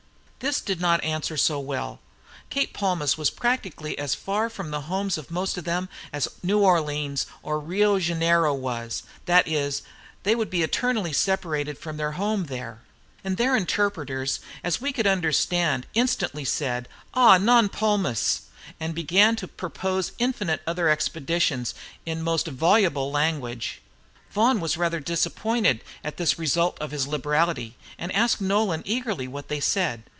This did not answer so well. Cape Palmas was practically as far from the homes of most of them as New Orleans or Rio Janeiro was; that is, they would be eternally separated from home there. And their interpreters, as we could understand, instantly said, "Ah, non Palmas," and began to propose infinite other expedients in most voluble language. Vaughan was rather disappointed at this result of his liberality, and asked Nolan eagerly what they said.